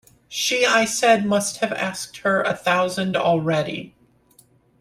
She I said must have asked her a thousand already.